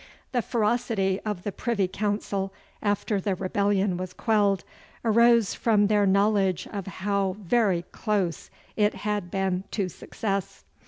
The ferocity of the Privy Council, after the rebellion was quelled, arose from their knowledge of how very close it had been to success.